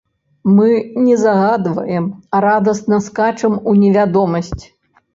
Мы не загадваем, а радасна скачам у невядомасць.